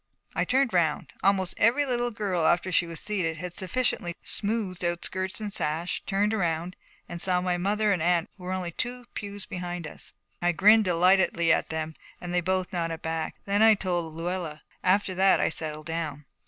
I turned round almost every little girl, after she was seated and had sufficiently smoothed out skirts and sash, turned round and saw that my mother and aunt were only two pews behind us. I grinned delightedly at them, and they both nodded back. Then I told Luella. After that I settled down.